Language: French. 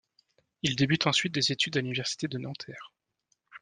Il débute ensuite des études à l'Université de Nanterre.